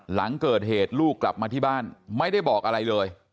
หลังเกิดเหตุลูกกลับมาที่บ้านไม่ได้บอกอะไรเลย